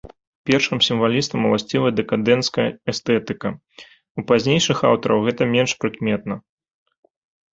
Першым сімвалістам уласцівая дэкадэнцкая эстэтыка, у пазнейшых аўтараў гэта менш прыкметна.